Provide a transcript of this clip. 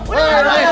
gak apa apa eh